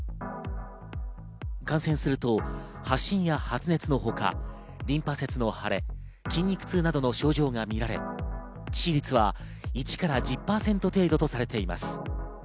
感染すると発疹や発熱のほか、リンパ節の腫れ、筋肉痛などの症状がみられ、致死率は１から１０％程度とされています。